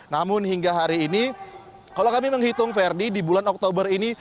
namun hingga hari ini kalau kami menghitung ferdi di bulan oktober ini